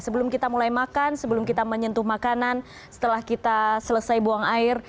sebelum kita mulai makan sebelum kita menyentuh makanan setelah kita selesai buang air